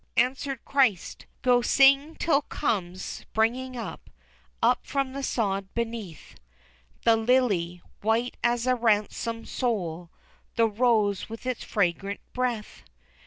Answered Christ, "Go sing till comes springing up, up from the sod beneath, The lily, white as a ransomed soul, the rose with its fragrant breath."